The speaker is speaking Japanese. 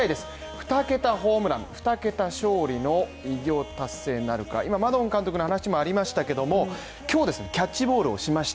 ２桁ホームラン２桁勝利の偉業達成なるか今マドン監督の話もありましたけども、キャッチボールをしました